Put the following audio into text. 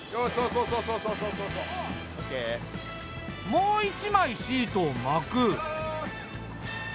もう一枚シートを巻く。